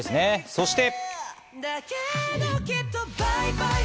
そして。